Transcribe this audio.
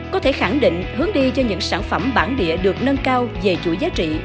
có thể khẳng định hướng đi cho những sản phẩm bản địa được nâng cao về chuỗi giá trị